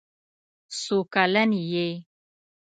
څو کلن یې.